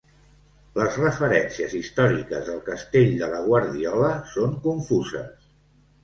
Les referències històriques del castell de la Guardiola són confuses.